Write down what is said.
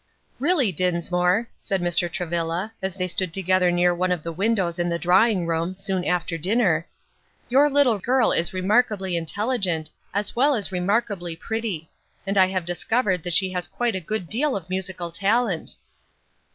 "Really, Dinsmore," said Mr. Travilla, as they stood together near one of the windows of the drawing room soon after dinner, "your little girl is remarkably intelligent, as well as remarkably pretty; and I have discovered that she has quite a good deal of musical talent."